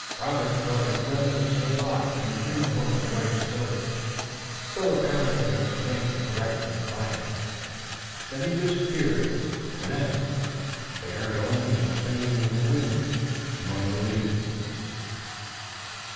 Robert caught a glimpse of St. Luc, in his uniform of white and silver, still apparently unstained, erect and defiant. Then he disappeared and they heard only the singing of the wind among the leaves.